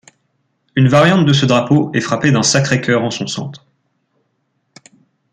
Une variante de ce drapeau est frappée d'un Sacré-Cœur en son centre.